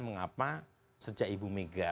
mengapa sejak ibu mega